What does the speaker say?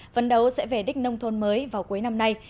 vấn đấu sẽ về đích nông thôn mới vào cuối năm nay